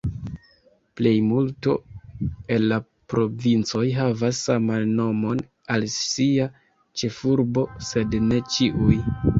Plejmulto el la provincoj havas saman nomon al sia ĉefurbo, sed ne ĉiuj.